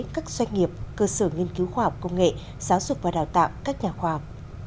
các doanh nghiệp cơ sở nghiên cứu khoa học công nghệ giáo dục và đào tạo các nhà khoa học